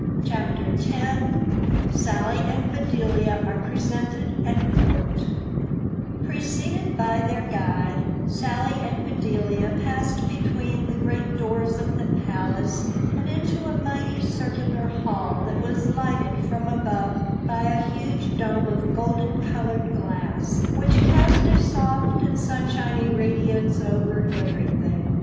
CHAPTER X SALLY AND BEDELIA ARE PRESENTED AT COURT PRECEDED by their guide, Sally and Bedelia passed between the great doors of the Palace and into a mighty circular hall that was lighted from above by a huge dome of golden colored glass, which cast a soft and sunshiny radiance over everything.